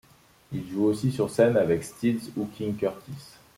Ils jouent aussi sur scène avec Stills ou King Curtis.